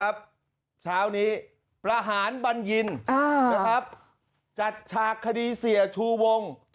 ครับชาวนี้ประหารบัญญินอ่านะครับจัดชากคดีเสียชูวง